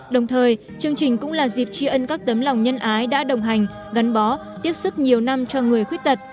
đồng thời chương trình cũng là dịp tri ân các tấm lòng nhân ái đã đồng hành gắn bó tiếp sức nhiều năm cho người khuyết tật